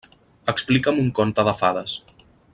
Explica'm un conte de fades.